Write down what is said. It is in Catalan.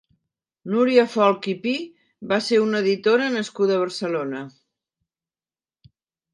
Núria Folch i Pi va ser una editora nascuda a Barcelona.